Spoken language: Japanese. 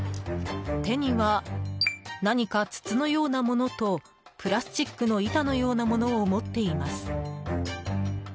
手には、何か筒のようなものとプラスチックの板のようなものを持っています。